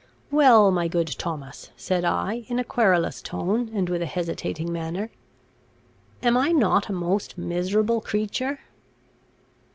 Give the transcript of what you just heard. "Well, my good Thomas," said I, in a querulous tone, and with a hesitating manner, "am I not a most miserable creature?"